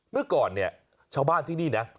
เมื่อก่อนเนี่ยชาวบ้านที่นี่นะ